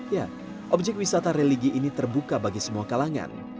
ya objek wisata religi ini terbuka bagi semua kalangan